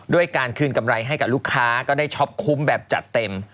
การคืนกำไรให้กับลูกค้าก็ได้ช็อปคุ้มแบบจัดเต็ม